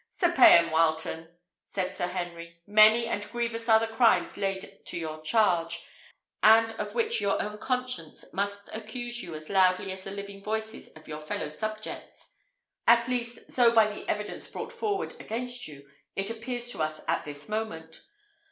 "Sir Payan Wileton," said Henry, "many and grievous are the crimes laid to your charge, and of which your own conscience must accuse you as loudly as the living voices of your fellow subjects; at least, so by the evidence brought forward against you, it appears to us at this moment.